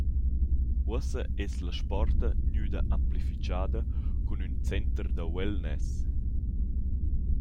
Uossa es la sporta gnüda amplifichada cun ün «center da wellness».